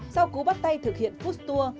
sau cú bắt tay thực hiện food tour